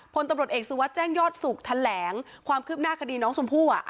พลตำรวจเอกสุวัสดิ์แจ้งยอดสุขแถลงความคืบหน้าคดีน้องชมพู่